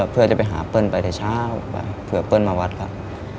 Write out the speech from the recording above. เพื่อจะไปหาเปิ้ลไปแต่เช้าเผื่อเปิ้ลมาวัดครับ